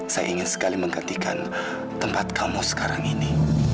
saya ingin sekali menggantikan tempat kamu sekarang ini